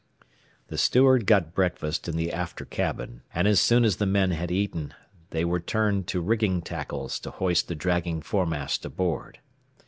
The steward got breakfast in the after cabin, and as soon as the men had eaten they were turned to rigging tackles to hoist the dragging foremast aboard.